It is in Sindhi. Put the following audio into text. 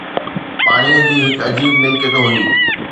پاڻيءَ جي هڪ عجيب ملڪيت هئي